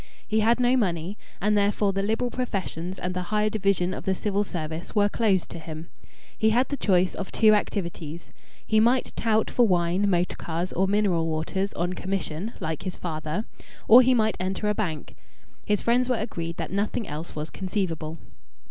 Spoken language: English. He had no money, and therefore the liberal professions and the higher division of the Civil Service were closed to him. He had the choice of two activities: he might tout for wine, motor cars, or mineral waters on commission (like his father), or he might enter a bank; his friends were agreed that nothing else was conceivable.